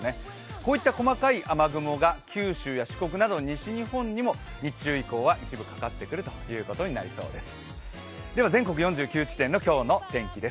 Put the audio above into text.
こういった細かい雨雲が九州や四国など西日本にも、日中以降は一部かかってくることになりそうです。